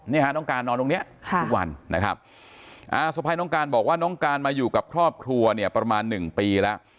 นี่ค่ะน้องการนอนตรงเนี้ยค่ะทุกวันนะครับอ่าสภัยน้องการบอกว่าน้องการมาอยู่กับครอบครัวเนี้ยประมาณหนึ่งปีแล้ว